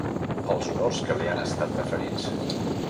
Els honors que li han estat deferits.